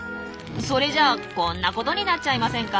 それじゃこんなことになっちゃいませんか？